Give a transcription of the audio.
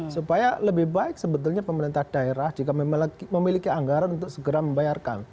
supaya lebih baik sebetulnya pemerintah daerah jika memiliki anggaran untuk segera membayarkan